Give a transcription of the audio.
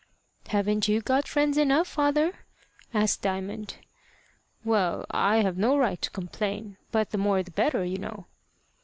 "Haven't you got friends enough, father?" asked Diamond. "Well, I have no right to complain; but the more the better, you know."